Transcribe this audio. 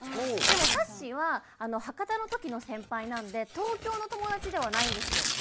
でもさっしーは博多の時の先輩なんで東京の友達ではないんですよ。